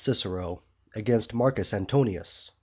CICERO AGAINST MARCUS ANTONIUS.